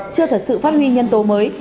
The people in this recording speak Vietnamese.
chưa thật sự phát huy nhân tố mới